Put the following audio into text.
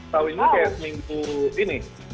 tahun ini kayak seminggu ini